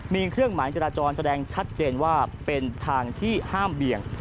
มีเครื่องหมายจราจรแสดงชัดเจนว่าเป็นทางที่ห้ามเบี่ยง